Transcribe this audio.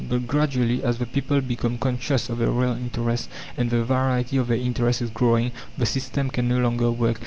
But gradually, as the people become conscious of their real interests, and the variety of their interests is growing, the system can no longer work.